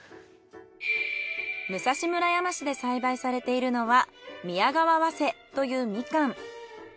武蔵村山市で栽培されているのは宮川早生というミカン。